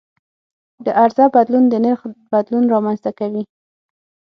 د عرضه بدلون د نرخ بدلون رامنځته کوي.